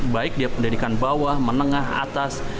baik dia pendidikan bawah menengah atas